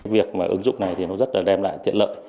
việc mà ứng dụng này thì nó rất là đem lại tiện lợi